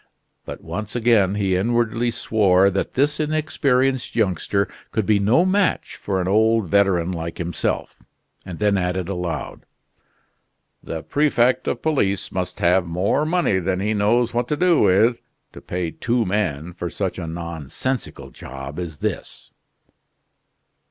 But once again he inwardly swore that this inexperienced youngster could be no match for an old veteran like himself, and then added aloud: "The prefect of police must have more money than he knows what to do with, to pay two men for such a nonsensical job as this."